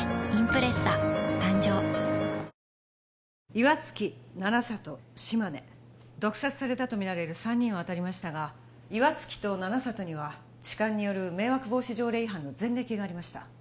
岩槻七里島根毒殺されたとみられる３人を当たりましたが岩槻と七里には痴漢による迷惑防止条例違反の前歴がありました